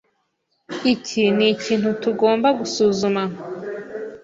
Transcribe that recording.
Iki nikintu tugomba gusuzuma.